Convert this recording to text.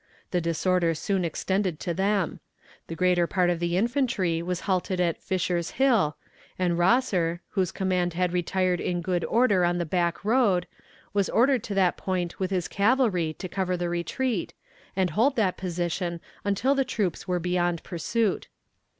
The disorder soon extended to them. The greater part of the infantry was halted at Fisher's Hill, and Rosser, whose command had retired in good order on the Back road, was ordered to that point with his cavalry to cover the retreat, and hold that position until the troops were beyond pursuit.